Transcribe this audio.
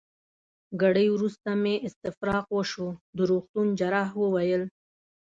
ګړی وروسته مې استفراق وشو، د روغتون جراح وویل.